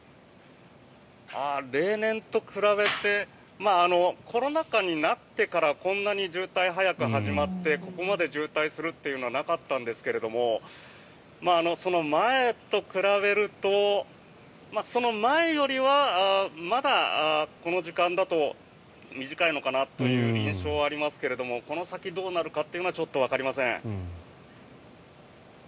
例年と比べてコロナ禍になってからこんなに渋滞が早く始まってここまで渋滞するというのはなかったんですけどもその前と比べるとその前よりはまだこの時間だと短いのかなという印象はありますけどこの先、どうなるかというのはちょっとわかりません。